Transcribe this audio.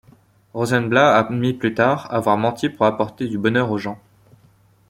Rosenblat admit plus tard avoir menti pour apporter du bonheur aux gens.